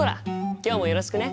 今日もよろしくね。